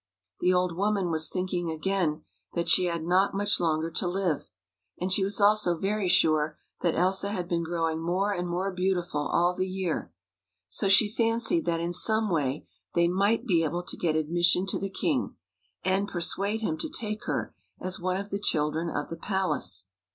The old woman was thinking again that she had not much longer to live, and she was also very sure that Elsa had been growing more and more beautiful all the year, so she fancied that in some way they might be able to get admission to the king, and persuade him to take her as one of the children of the ioo THE FOREST FULL OF FRIENDS palace.